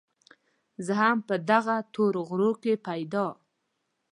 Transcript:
زه هم په دغه تورو غرو کې پيدا